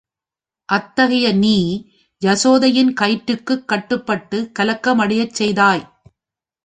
அத்தகைய நீ யசோதையின் கயிற்றுக்குக் கட்டுப்பட்டுக் கலக்கம் அடையச் செய்தாய்.